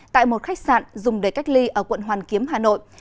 tại một khách sạn dùng để cách ly ở quận hoàn kiếm hà nội